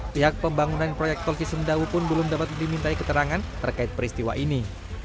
pihak pembangunan proyek tol cisumdawu pun belum dapat dimintai keterangan terkait peristiwa ini